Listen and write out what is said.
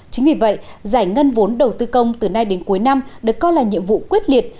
chính vì vậy giải ngân vốn đầu tư công từ nay đến cuối năm được coi là nhiệm vụ quyết liệt